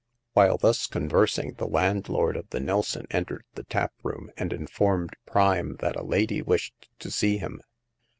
While thus conversing, the landlord of the Nelson entered the tap room, and informed Prime that a lady wished to see him.